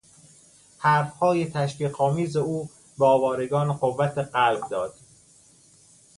حرف های تشویق آمیز او به آوارگان قوت قلب داد.